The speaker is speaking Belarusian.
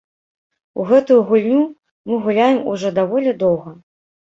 У гэтую гульню мы гуляем ужо даволі доўга.